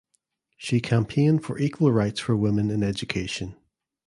She campaigned for equal rights for women in education.